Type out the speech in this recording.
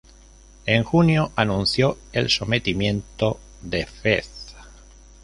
En junio anunció el sometimiento de Fez.